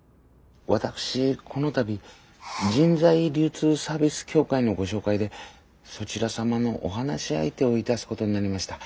私この度人材流通サービス協会のご紹介でそちら様のお話し相手をいたすことになりました。